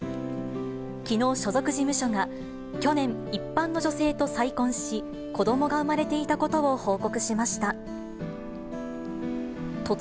きのう所属事務所が、去年、一般の女性と再婚し、子どもが生まれていたことを報告しました。